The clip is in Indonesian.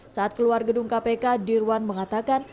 saat keluar gedung kpk dirwan mengatakan